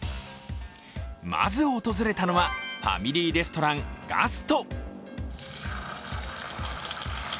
まず訪れたのはファミリーレストラン、ガスト。